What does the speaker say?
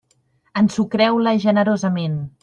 Ensucreu-la generosament.